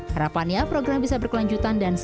harapannya program bisa berkelanjutan dan sehat